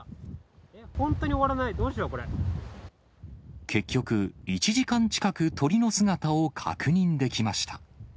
本当に終わらない、どうしよ結局、１時間近く、鳥の姿を確認できました。